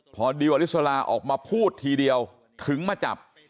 พอดิวอลิสลาออกมาพูดทีเดียวถึงมาจับ